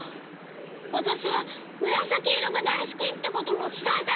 「わたしはむらさきいろがだいすき」ってこともつたえたい！